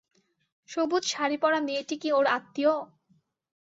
সবুজ শাড়িপরা মেয়েটি কি ওঁর আত্মীয়?